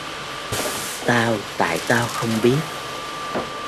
tao tại tao không biết